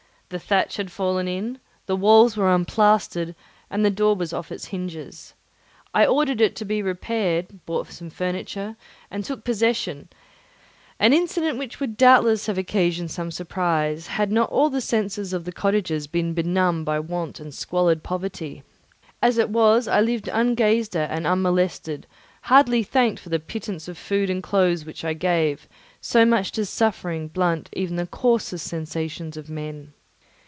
The thatch had fallen in, the walls were unplastered, and the door was off its hinges. I ordered it to be repaired, bought some furniture, and took possession, an incident which would doubtless have occasioned some surprise had not all the senses of the cottagers been benumbed by want and squalid poverty. As it was, I lived ungazed at and unmolested, hardly thanked for the pittance of food and clothes which I gave, so much does suffering blunt even the coarsest sensations of men.